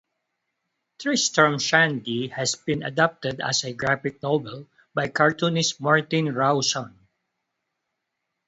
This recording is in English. "Tristram Shandy" has been adapted as a graphic novel by cartoonist Martin Rowson.